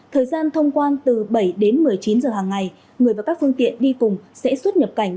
thời gian thông quan từ bảy đến một mươi chín giờ hàng ngày người và các phương tiện đi cùng sẽ xuất nhập cảnh